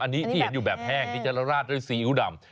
อันนี้ที่เห็นอยู่แบบแห้งที่จะราดด้วยซีอิ๊วดำ